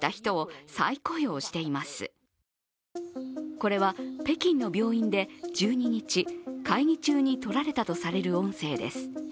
これは北京の病院で１２日会議中に録られたとされる音声です。